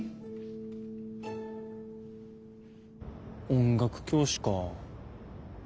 音楽教師か。